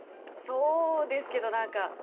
そうですけどなんか。